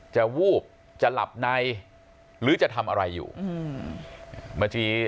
จะวูบจะหลับในหรือจะทำอะไรอยู่อืม